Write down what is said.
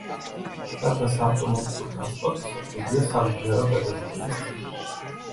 გარდა საავტომობილო ტრანსპორტისა, დიდია სამდინარო გადაზიდვების წილი.